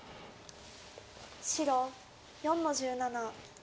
白４の十七。